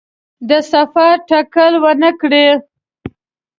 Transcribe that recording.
د سفر تکل ونکړي.